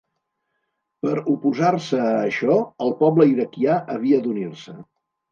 Per oposar-se a això, el poble iraquià havia d'unir-se.